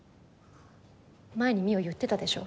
前に望緒言ってたでしょ。